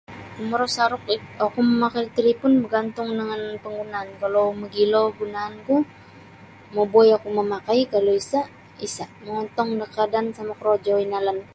Komburo saruk iko oku mamakai da talipon bagantung dengan penggunaan kalau mogilo gunaanku mabuai oku mamakai kalau isa' isa' mongontong da keadaan sama korojo inalanku.